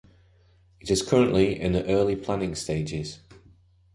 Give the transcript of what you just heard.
It is currently in the early planning stages.